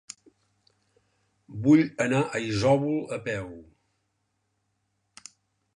Vull anar a Isòvol a peu.